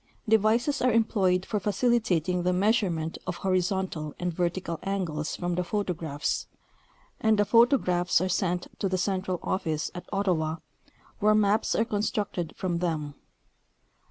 Devices are employed for facilitating the measurement of horizontal and vertical angles from the photograjjhs, and the photographs are sent to the central office at Ottawa, where maps are constructed from them.